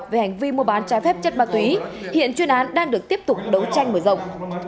về hành vi mua bán trái phép chất ma túy hiện chuyên án đang được tiếp tục đấu tranh mở rộng